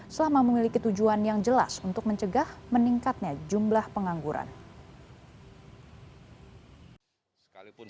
selama memiliki tujuan yang jelas untuk mencegah meningkatnya jumlah pengangguran